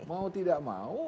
mau tidak mau